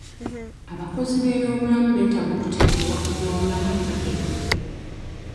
Abakozi b'ebyobulamu beetaga okutendekebwa ku by'obulamu entakera.